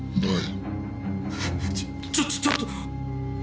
ちょちょっと！